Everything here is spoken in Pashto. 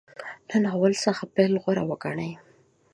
له ناول څخه پیل غوره وګڼي.